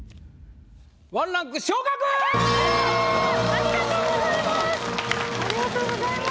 ありがとうございます！